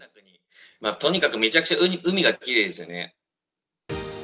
とにかくめちゃくちゃ海がきれいですね。